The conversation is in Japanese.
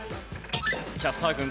キャスター軍